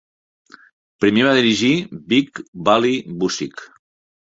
Primer va dirigir Big Bully Busick.